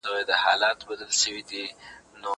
زه پرون مکتب ته ولاړم؟